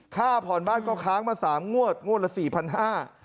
ค่าผ่อนบ้านก็ค้างมา๓งวดงวดละ๔๕๐๐บาท